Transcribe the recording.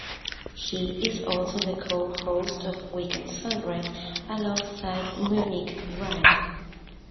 He is also the co-host of "Weekend Sunrise" alongside Monique Wright.